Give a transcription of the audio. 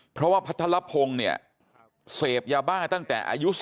เพราะว่าพัทรพงศ์เนี่ยเสพยาบ้าตั้งแต่อายุ๑